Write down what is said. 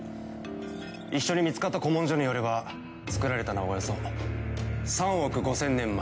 一緒に見つかった古文書によれば作られたのはおよそ３億５，０００年前。